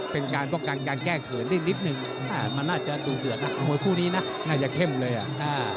เป็นการป้องกันการแก้เขินได้นิดนึงมันน่าจะดูเดือดนะมวยคู่นี้นะน่าจะเข้มเลยอ่ะ